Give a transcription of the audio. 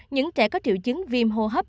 những trẻ có triệu chứng viêm hô hấp